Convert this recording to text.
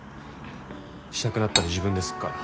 したくなったら自分ですっから。